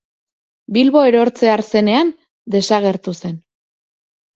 Bilbo erortzear zenean, desagertu zen.